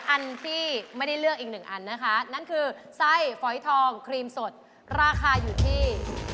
อันที่ไม่ได้เลือกอีกหนึ่งอันนะคะนั่นคือไส้ฝอยทองครีมสดราคาอยู่ที่